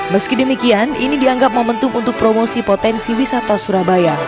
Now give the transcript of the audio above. meski demikian ini dianggap momentum untuk promosi potensi wisata surabaya